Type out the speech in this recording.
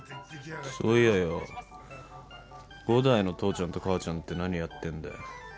そういやぁよ伍代の父ちゃんと母ちゃんって何やってんだよ？